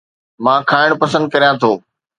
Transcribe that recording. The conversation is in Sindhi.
مان کائڻ پسند ڪريان ٿو